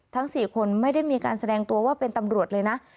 ๔คนไม่ได้มีการแสดงตัวว่าเป็นตำรวจเลยนะ